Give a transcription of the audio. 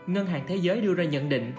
ngân hàng thế giới đưa ra nhận định